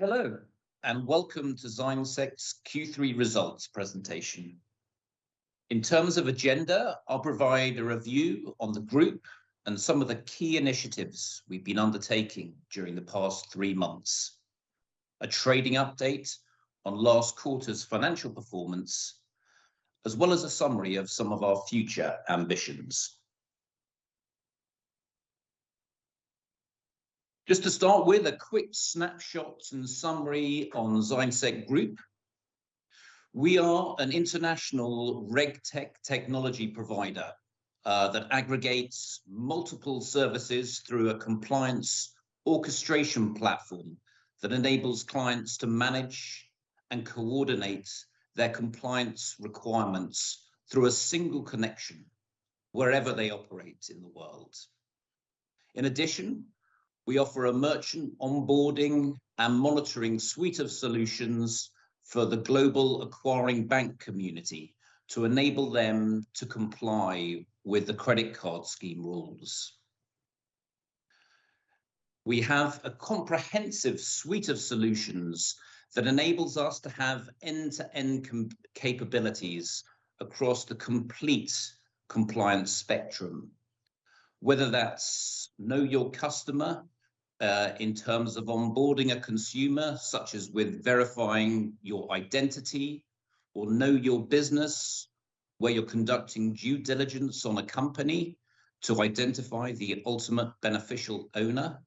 Hello, and welcome to ZignSec's Q3 results presentation. In terms of agenda, I'll provide a review on the group and some of the key initiatives we've been undertaking during the past three months, a trading update on last quarter's financial performance, as well as a summary of some of our future ambitions. Just to start with, a quick snapshot and summary on ZignSec Group. We are an international RegTech technology provider that aggregates multiple services through a compliance orchestration platform that enables clients to manage and coordinate their compliance requirements through a single connection wherever they operate in the world. In addition, we offer a merchant onboarding and monitoring suite of solutions for the global acquiring bank community to enable them to comply with the credit card scheme rules. We have a comprehensive suite of solutions that enables us to have end-to-end capabilities across the complete compliance spectrum, whether that's Know Your Customer, in terms of onboarding a consumer, such as with verifying your identity, or Know Your Business, where you're conducting due diligence on a company to identify the ultimate beneficial owner,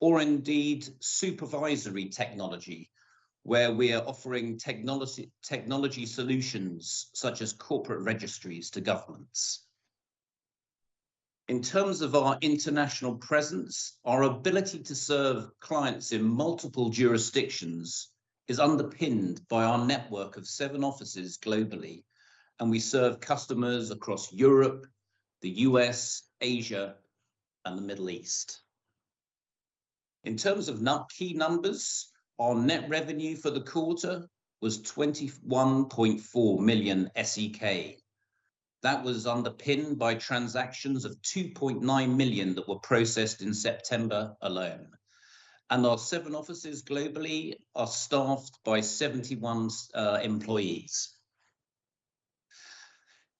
or indeed Supervisory Technology, where we are offering technology solutions such as corporate registries to governments. In terms of our international presence, our ability to serve clients in multiple jurisdictions is underpinned by our network of seven offices globally, and we serve customers across Europe, the U.S., Asia, and the Middle East. In terms of key numbers, our net revenue for the quarter was 21.4 million SEK. That was underpinned by transactions of 2.9 million that were processed in September alone. Our seven offices globally are staffed by 71 employees.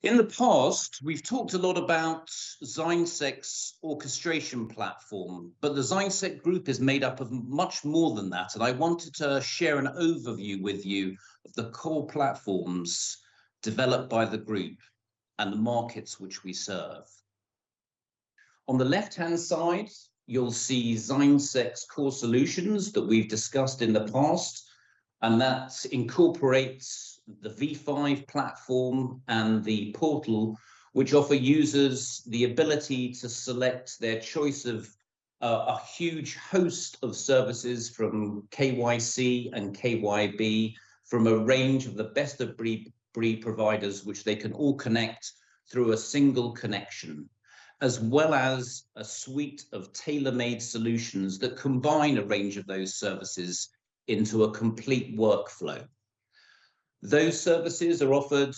In the past, we've talked a lot about ZignSec's orchestration platform, but the ZignSec Group is made up of much more than that, and I wanted to share an overview with you of the core platforms developed by the group and the markets which we serve. On the left-hand side, you'll see ZignSec's core solutions that we've discussed in the past, and that incorporates the V5 platform and the portal which offer users the ability to select their choice of a huge host of services from KYC and KYB from a range of the best of providers which they can all connect through a single connection, as well as a suite of tailor-made solutions that combine a range of those services into a complete workflow. Those services are offered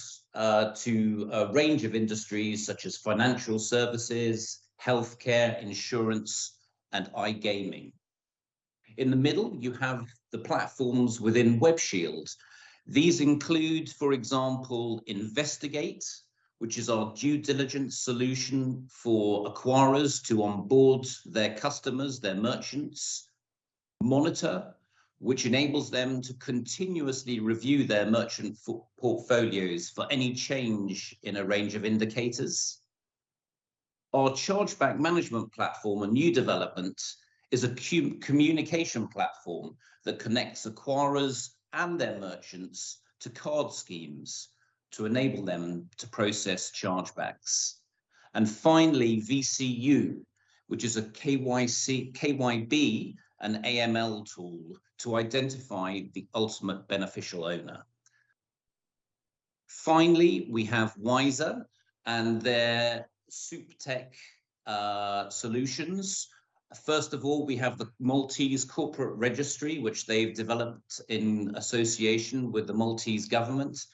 to a range of industries such as financial services, healthcare, insurance, and iGaming. In the middle, you have the platforms within Web Shield. These include, for example, InvestiGate, which is our due diligence solution for acquirers to onboard their customers, their merchants. Merchant Monitoring, which enables them to continuously review their merchant portfolios for any change in a range of indicators. Our chargeback management platform, a new development, is a communication platform that connects acquirers and their merchants to card schemes to enable them to process chargebacks. Finally, VCU, which is a KYC. KYB and AML tool to identify the ultimate beneficial owner. Finally, we have Wyzer and their SupTech solutions. We have the Malta Business Registry, which they've developed in association with the Maltese government,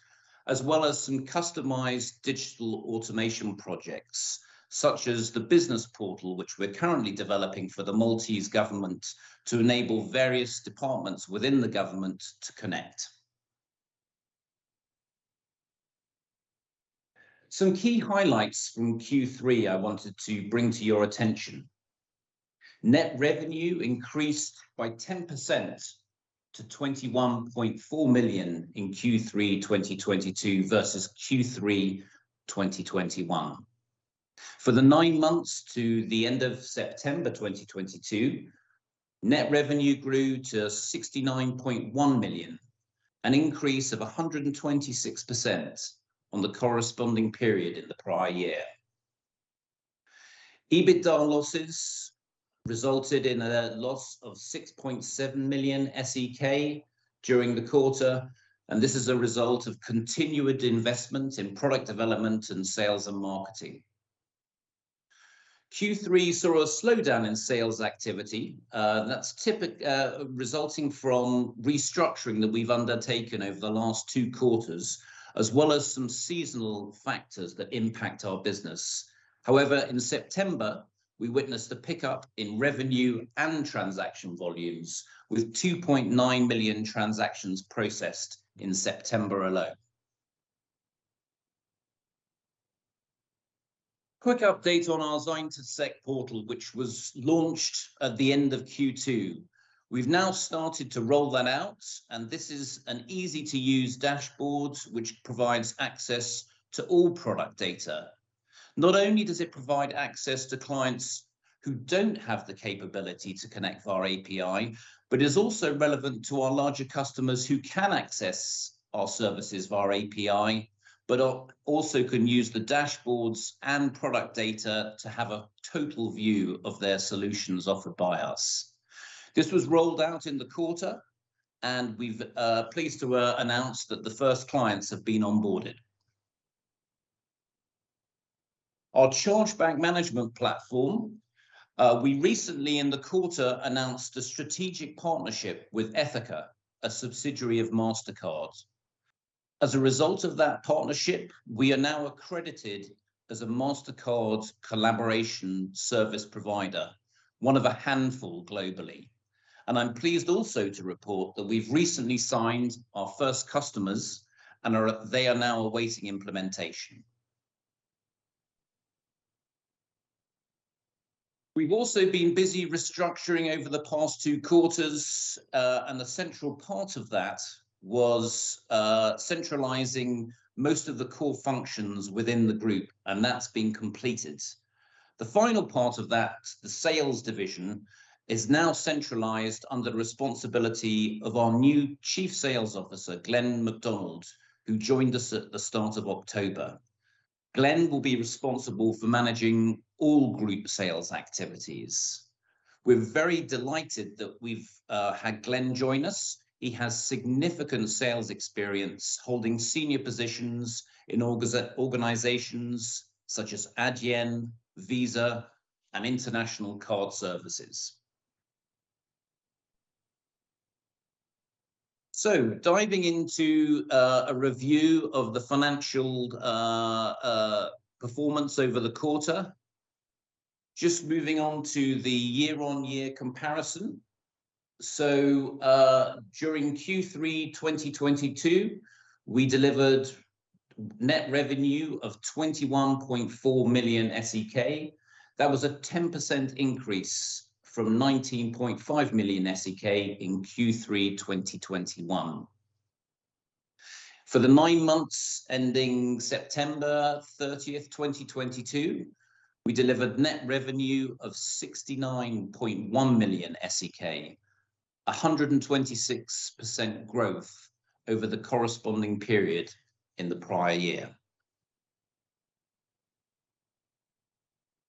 as well as some customized digital automation projects, such as the business portal which we're currently developing for the Maltese government to enable various departments within the government to connect. Some key highlights from Q3 I wanted to bring to your attention. Net revenue increased by 10% to 21.4 million in Q3 2022 versus Q3 2021. For the nine months to the end of September 2022, net revenue grew to 69.1 million, an increase of 126% on the corresponding period in the prior year. EBITDA losses resulted in a loss of 6.7 million SEK during the quarter, this is a result of continued investment in product development and sales and marketing. Q3 saw a slowdown in sales activity, that's resulting from restructuring that we've undertaken over the last two quarters, as well as some seasonal factors that impact our business. In September, we witnessed a pickup in revenue and transaction volumes, with 2.9 million transactions processed in September alone. Quick update on our ZignSec Portal which was launched at the end of Q2. We've now started to roll that out, and this is an easy-to-use dashboard which provides access to all product data. Not only does it provide access to clients who don't have the capability to connect via our API, but is also relevant to our larger customers who can access our services via our API, but also can use the dashboards and product data to have a total view of their solutions offered by us. This was rolled out in the quarter. We've pleased to announce that the first clients have been onboarded. Our chargeback management platform, we recently in the quarter announced a strategic partnership with Ethoca, a subsidiary of Mastercard. As a result of that partnership, we are now accredited as a Mastercard collaboration service provider, one of a handful globally. I'm pleased also to report that we've recently signed our first customers, they are now awaiting implementation. We've also been busy restructuring over the past two quarters, and the central part of that was centralizing most of the core functions within the group, and that's been completed. The final part of that, the sales division, is now centralized under the responsibility of our new Chief Sales Officer, Glenn Mac Donald, who joined us at the start of October. Glenn will be responsible for managing all group sales activities. We're very delighted that we've had Glenn join us. He has significant sales experience, holding senior positions in organizations such as Adyen, Visa, and International Card Services. Diving into a review of the financial performance over the quarter. Just moving on to the year-on-year comparison. During Q3 2022, we delivered net revenue of 21.4 million SEK. That was a 10% increase from 19.5 million SEK in Q3 2021. For the nine months ending September 30th, 2022, we delivered net revenue of 69.1 million SEK, a 126% growth over the corresponding period in the prior year.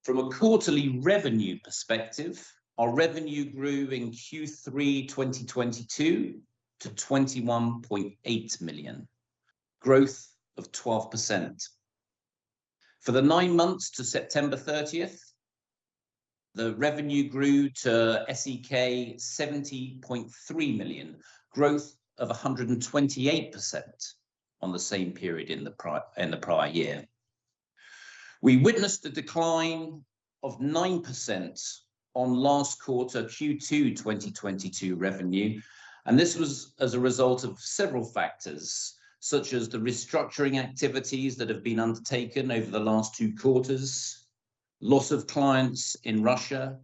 From a quarterly revenue perspective, our revenue grew in Q3 2022 to 21.8 million, growth of 12%. For the nine months to September 30th, the revenue grew to SEK 70.3 million, growth of 128% on the same period in the prior year. We witnessed a decline of 9% on last quarter Q2 2022 revenue. This was as a result of several factors, such as the restructuring activities that have been undertaken over the last two quarters, loss of clients in Russia,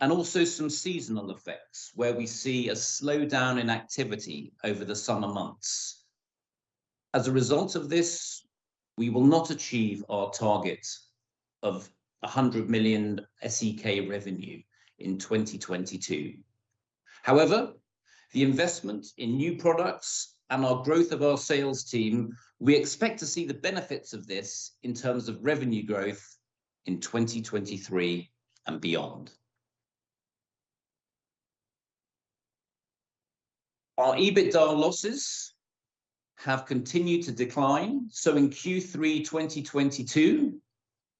also some seasonal effects where we see a slowdown in activity over the summer months. As a result of this, we will not achieve our target of 100 million SEK revenue in 2022. The investment in new products and our growth of our sales team, we expect to see the benefits of this in terms of revenue growth in 2023 and beyond. Our EBITDA losses have continued to decline. In Q3 2022,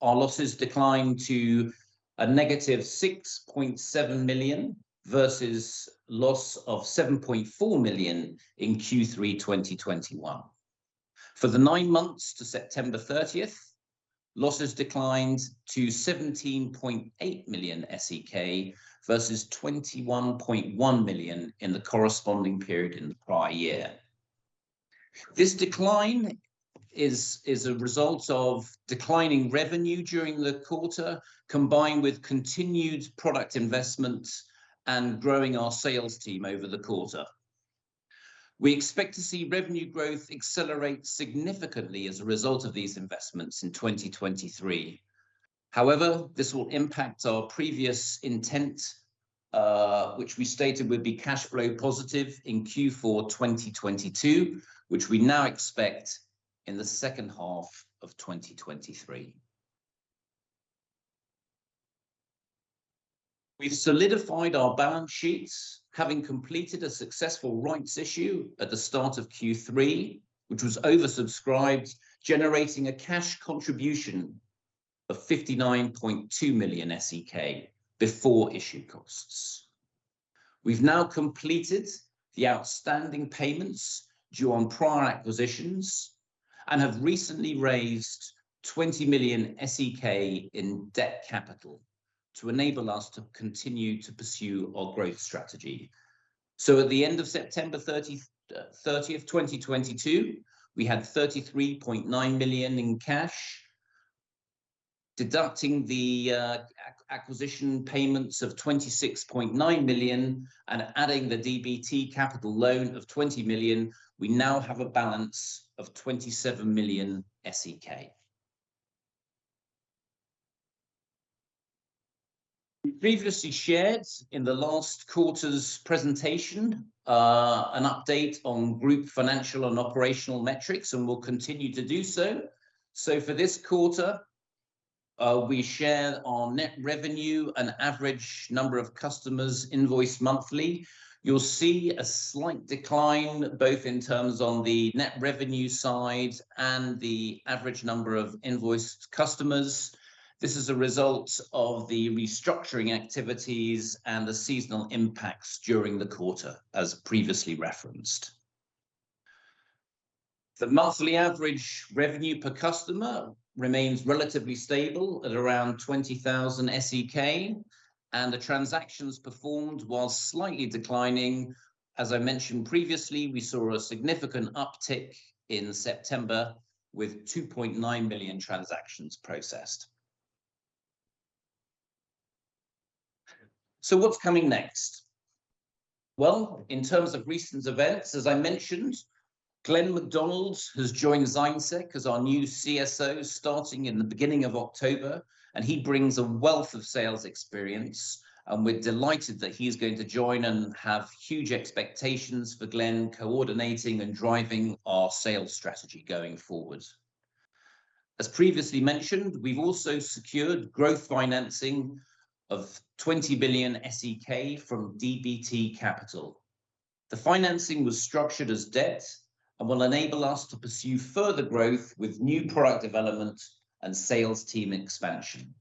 our losses declined to -6.7 million versus loss of 7.4 million in Q3 2021. For the nine months to September 30th, losses declined to 17.8 million SEK versus 21.1 million in the corresponding period in the prior year. This decline is a result of declining revenue during the quarter, combined with continued product investments and growing our sales team over the quarter. We expect to see revenue growth accelerate significantly as a result of these investments in 2023. This will impact our previous intent, which we stated would be cash flow positive in Q4 2022, which we now expect in the second half of 2023. We've solidified our balance sheets, having completed a successful rights issue at the start of Q3, which was oversubscribed, generating a cash contribution of 59.2 million SEK before issue costs. We've now completed the outstanding payments due on prior acquisitions, and have recently raised 20 million SEK in debt capital to enable us to continue to pursue our growth strategy. At the end of September 30th, 2022, we had 33.9 million in cash. Deducting the acquisition payments of 26.9 million and adding the DBT Capital loan of 20 million, we now have a balance of 27 million SEK. We previously shared in the last quarter's presentation, an update on group financial and operational metrics, and we'll continue to do so. For this quarter, we share our net revenue and average number of customers invoiced monthly. You'll see a slight decline both in terms on the net revenue side and the average number of invoiced customers. This is a result of the restructuring activities and the seasonal impacts during the quarter, as previously referenced. The monthly average revenue per customer remains relatively stable at around 20,000 SEK, and the transactions performed, while slightly declining, as I mentioned previously, we saw a significant uptick in September with 2.9 million transactions processed. What's coming next? Well, in terms of recent events, as I mentioned, Glenn Mac Donald has joined ZignSec as our new CSO starting in the beginning of October, and he brings a wealth of sales experience, and we're delighted that he's going to join and have huge expectations for Glenn coordinating and driving our sales strategy going forward. As previously mentioned, we've also secured growth financing of 20 billion SEK from DBT Capital. The financing was structured as debt and will enable us to pursue further growth with new product development and sales team expansion.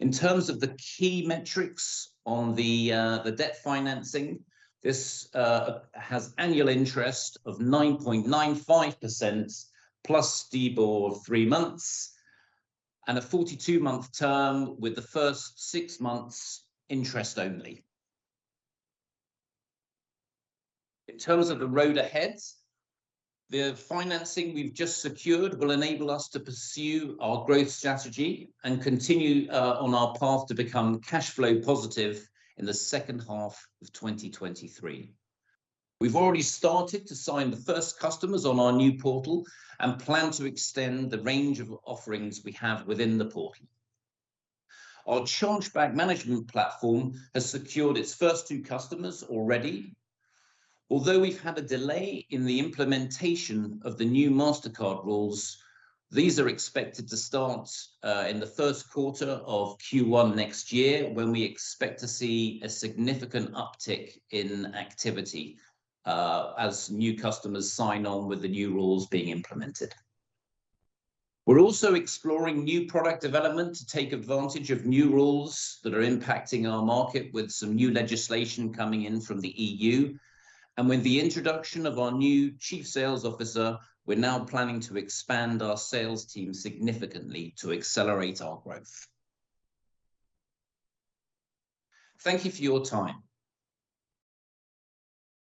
In terms of the key metrics on the debt financing, this has annual interest of 9.95% plus STIBOR three months and a 42-month term with the first six months interest only. In terms of the road ahead, the financing we've just secured will enable us to pursue our growth strategy and continue on our path to become cash flow positive in the second half of 2023. We've already started to sign the first customers on our new portal and plan to extend the range of offerings we have within the portal. Our chargeback management platform has secured its first two customers already. Although we've had a delay in the implementation of the new Mastercard rules, these are expected to start in the first quarter of Q1 next year when we expect to see a significant uptick in activity as new customers sign on with the new rules being implemented. We're also exploring new product development to take advantage of new rules that are impacting our market with some new legislation coming in from the EU. With the introduction of our new Chief Sales Officer, we're now planning to expand our sales team significantly to accelerate our growth. Thank you for your time.